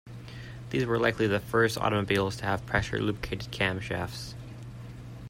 These were likely the first automobiles to have pressure-lubricated camshafts.